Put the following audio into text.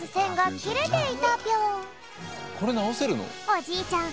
おじいちゃん